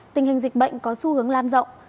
tình hình dịch bệnh có xu hướng lan rộng